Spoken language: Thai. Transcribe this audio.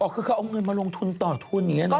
อ๋อคือเขาเอาเงินมาลงทุนต่อทุนเนี่ยเนอะ